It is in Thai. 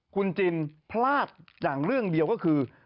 คุณจินพลาดอย่างเรื่องเดียวก็คือ